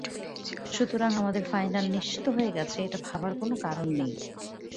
সুতরাং আমাদের ফাইনাল নিশ্চিত হয়ে গেছে, এটা ভাবার কোনো কারণ নেই।